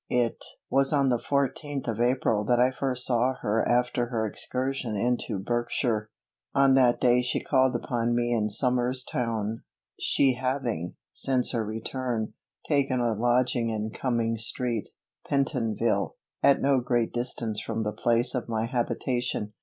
It was on the fourteenth of April that I first saw her after her excursion into Berkshire. On that day she called upon me in Somers Town, she having, since her return, taken a lodging in Cumming street, Pentonville, at no great distance from the place of my habitation.